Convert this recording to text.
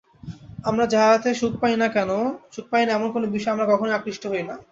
আমরা যাহাতে সুখ পাই না, এমন কোন বিষয়ে আমরা কখনই আকৃষ্ট হই না।